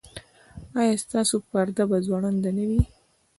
ایا ستاسو پرده به ځوړنده نه وي؟